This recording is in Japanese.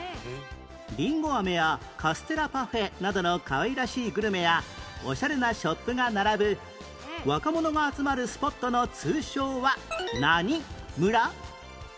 りんご飴やカステラパフェなどのかわいらしいグルメやオシャレなショップが並ぶ若者が集まるスポットの通称は何村？